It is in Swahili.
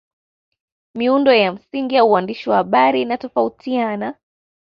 Miundo ya msingi ya uandishi wa habari inatofautiana